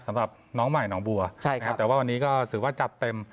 สำหรับน้องใหม่หนองบัวใช่ครับแต่ว่าวันนี้ก็ถือว่าจัดเต็ม